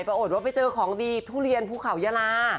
ปรากฏว่าไปเจอของดีทุเรียนภูเขายาลา